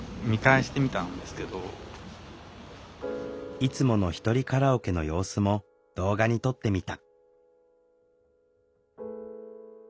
いつものひとりカラオケの様子も動画に撮ってみた。